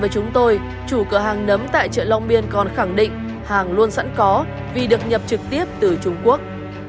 chúng tôi chủ cửa hàng nấm tại chợ long biên còn khẳng định hàng luôn sẵn có vì được nhập trực tiếp từ trung quốc